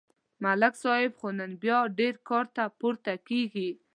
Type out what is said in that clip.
ملک صاحب خو نن بیا ډېر کار ته پورته کېږي